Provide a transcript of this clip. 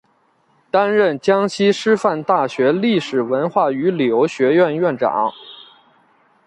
担任江西师范大学历史文化与旅游学院院长。